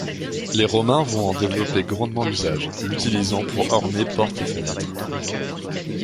Les Romains vont en développer grandement l'usage, l'utilisant pour orner portes et fenêtres.